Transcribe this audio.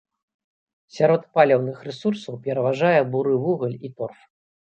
Сярод паліўных рэсурсаў пераважае буры вугаль і торф.